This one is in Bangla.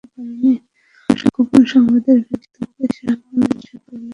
গোপন সংবাদের ভিত্তিতে শাহ আমানত সেতু এলাকায় কাভার্ড ভ্যানটিতে অভিযান চালানো হয়।